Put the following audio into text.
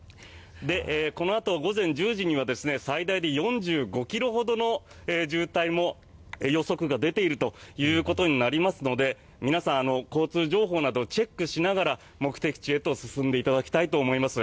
このあと午前１０時には最大で４５ｋｍほどの渋滞も予測が出ているということになりますので皆さん、交通情報などをチェックしながら目的地へと進んでいただきたいと思います。